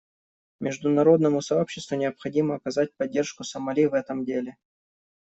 Международному сообществу необходимо оказать поддержку Сомали в этом деле.